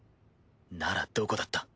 ならどこだった？